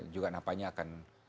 juga nampaknya akan